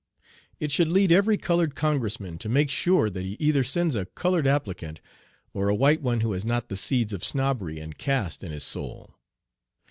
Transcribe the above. It should lead every colored Congressman to make sure that he either sends a colored applicant or a white one who has not the seeds of snobbery and caste in his soul.